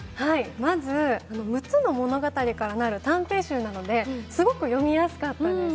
まず、６つの物語からなる短編集なのですごく読みやすかったです。